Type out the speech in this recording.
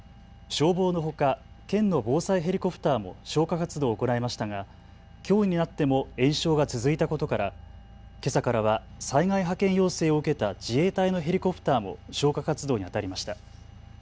消防のほか県の防災ヘリコプターも消火活動を行いましたがきょうになっても延焼が続いたことからけさからは災害派遣要請を受けた自衛隊のヘリコプターも消火活動にあたりました。